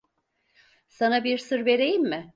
Sana bir sır vereyim mi?